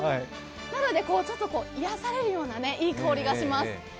なので、癒やされるようないい香りがします。